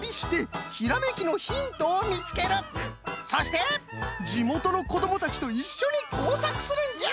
日本全国を旅してそしてじもとのこどもたちといっしょにこうさくするんじゃ！